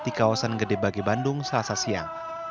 di kawasan gede bagi bandung selasa siang